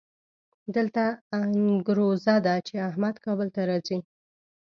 دلته انګروزه ده چې احمد کابل ته راځي.